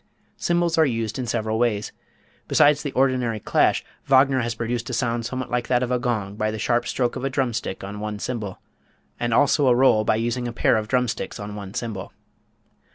Cymbals are used in several ways. Besides the ordinary clash, Wagner has produced a sound somewhat like that of a gong, by the sharp stroke of a drum stick on one cymbal, and also a roll by using a pair of drum sticks on one cymbal.